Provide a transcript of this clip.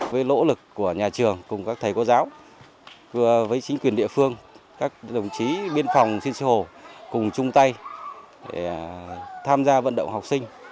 với lỗ lực của nhà trường cùng các thầy cô giáo với chính quyền địa phương các đồng chí biên phòng xin sinh hồ cùng chung tay để tham gia vận động học sinh